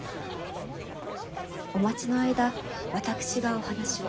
お待ちの間私がお話を。